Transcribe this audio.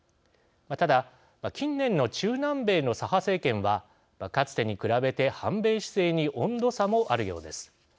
ただ、近年の中南米の左派政権はかつてに比べて反米姿勢に温度差もあるようです。